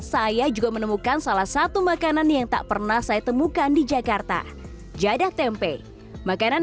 saya juga menemukan salah satu makanan yang tak pernah saya temukan di jakarta jadah tempe makanan